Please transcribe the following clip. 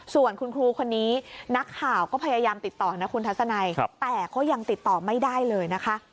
ส่วนคุณครูคนนี้นักข่าวก็พยายามติดต่อนะคุณทัศนัยแต่ก็ยังติดต่อไม่ได้เลยนะคะ